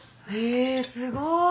えすごい！